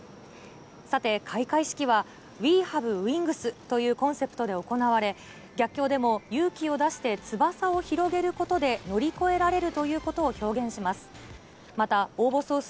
さて、開会式はウィ・ハブ・ウイングスというコンセプトで行われ、逆境でも勇気を出して翼を広げることで乗り越えられるということを表現します。